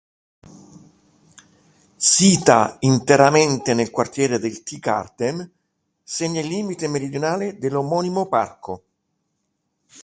Sita interamente nel quartiere del Tiergarten, segna il limite meridionale dell’omonimo parco.